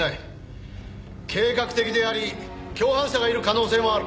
計画的であり共犯者がいる可能性もある。